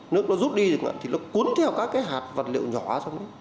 nước nó rút đi thì nó cuốn theo các hạt vật liệu nhỏ